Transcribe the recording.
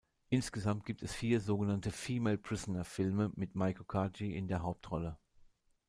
Insgesamt gibt es vier sogenannte „Female Prisoner“-Filme mit Meiko Kaji in der Hauptrolle.